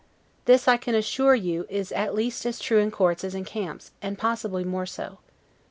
This, I can assure you, is at least as true in courts as in camps, and possibly more so.